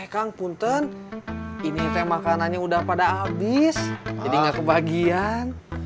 kang punten ini teh makanannya udah pada habis jadi nggak kebagian